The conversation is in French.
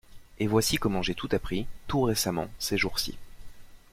Et voici comment j'ai tout appris, tout récemment, ces jours-ci.